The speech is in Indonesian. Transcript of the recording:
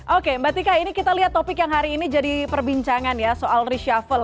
oke mbak tika ini kita lihat topik yang hari ini jadi perbincangan ya soal reshuffle